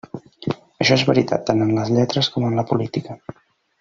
Això és veritat tant en les lletres com en la política.